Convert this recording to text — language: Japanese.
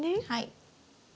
はい。